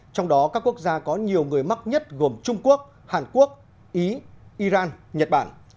trong đó các quốc gia có nhiều người mắc nhất gồm trung quốc hàn quốc ý iran nhật bản